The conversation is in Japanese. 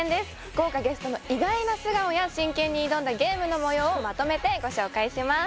豪華ゲストの意外な素顔や真剣に挑んだゲームの模様をまとめてご紹介します